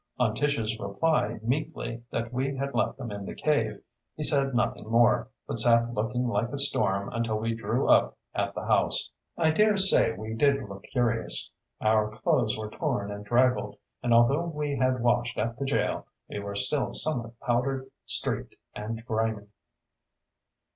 On Tish's replying meekly that we had left them in the cave, he said nothing more, but sat looking like a storm until we drew up at the house. I dare say we did look curious. Our clothes were torn and draggled, and although we had washed at the jail we were still somewhat powder streaked and grimy.